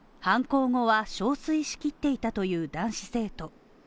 犯行後は憔悴しきっていたという男子生徒。